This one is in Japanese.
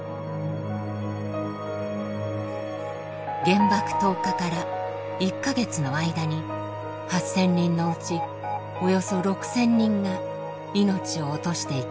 原爆投下から１か月の間に８，０００人のうちおよそ６，０００人が命を落としていきました。